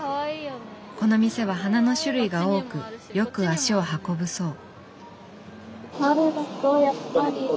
この店は花の種類が多くよく足を運ぶそう。